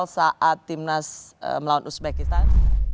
saat timnas melawan uzbekistan